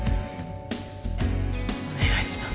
お願いします。